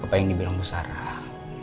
apa yang dibilang bu sarah